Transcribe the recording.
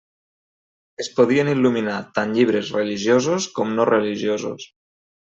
Es podien il·luminar tant llibres religiosos com no religiosos.